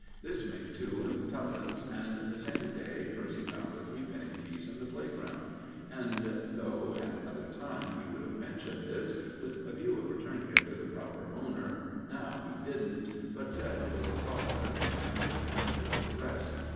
This made two and twopence; and the same day Percy found a threepenny piece in the playground; and though, at another time, he would have mentioned this, with a view of returning it to the proper owner, now he didn't, but said it was a Providence, and added it to the rest.